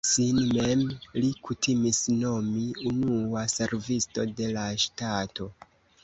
Sin mem li kutimis nomi "unua servisto de la ŝtato".